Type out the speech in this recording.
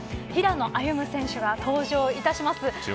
平野歩夢選手が登場いたします。